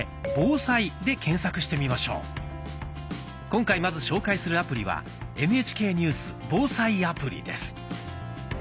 今回まず紹介するアプリは「ＮＨＫニュース・防災アプリ」です。